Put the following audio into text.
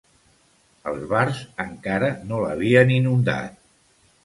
Els bars encara no l’havien inundat.